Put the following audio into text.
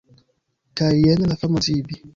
Kaj jen la fama Zibi!